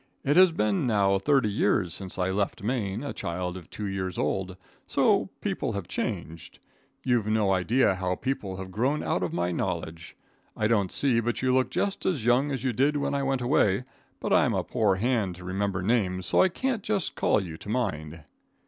It has been now thirty years since I left Maine, a child two years old. So people have changed. You've no idea how people have grown out of my knowledge. I don't see but you look just as young as you did when I went away, but I'm a poor hand to remember names, so I can't just call you to mind."